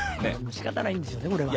「しかたないんですよねこれは」